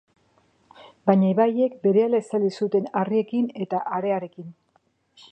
Baina ibaiek berehala estali zuten harriekin era harearekin.